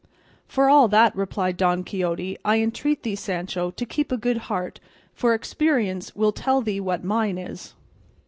"For all that," replied Don Quixote, "I entreat thee, Sancho, to keep a good heart, for experience will tell thee what mine is."